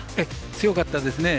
強かったですね。